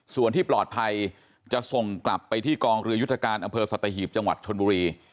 ส่วนที่ปลอดภัยจะส่งกลับไปที่กองเรือยุทธการอำเภอสัตหีบจังหวัดชนบุรี